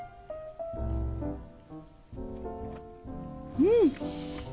うん！